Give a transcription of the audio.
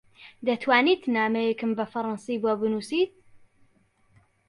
دەتوانیت نامەیەکم بە فەڕەنسی بۆ بنووسیت؟